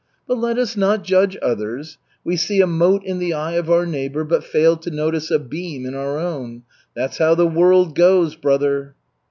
But let us not judge others. We see a mote in the eye of our neighbor, but fail to notice a beam in our own. That's how the world goes, brother.'"